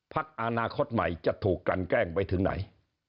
พักอนาคตใหม่จะถูกกันแกล้งไปถึงไหน